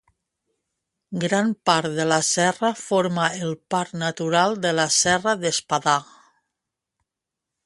Gran part de la serra forma el Parc Natural de la Serra d'Espadà.